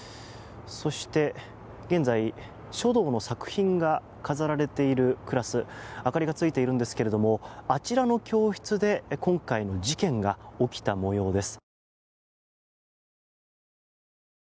そして、現在書道の作品が飾られているクラス明かりがついているんですがあちらの教室で今回の事件が起きた模様です。